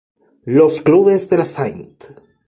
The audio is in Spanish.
Los clubes de la St.